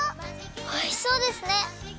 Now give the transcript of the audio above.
おいしそうですね！